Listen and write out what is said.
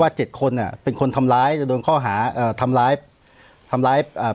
เจ็ดคนอ่ะเป็นคนทำร้ายจะโดนข้อหาเอ่อทำร้ายทำร้ายอ่า